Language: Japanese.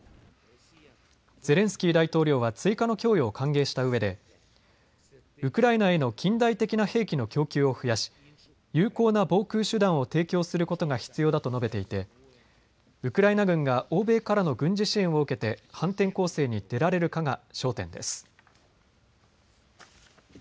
ゼレンスキー大統領は追加の供与を歓迎したうえでウクライナへの近代的な兵器の供給を増やし有効な防空手段を提供することが必要だと述べていてウクライナ軍が欧米からの軍事支援を受けて反転攻勢に出られるかが焦点です。